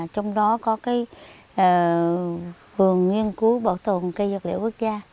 trong đó có vườn nghiên cứu bảo tồn cây dược liệu quốc gia